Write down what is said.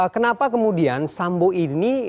kenapa kemudian sambo ini